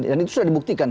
dan itu sudah dibuktikan